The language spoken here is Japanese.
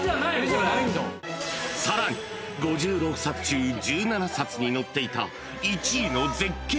［さらに５６冊中１７冊に載っていた］